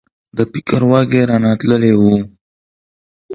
د فکر واګي رانه تللي وو.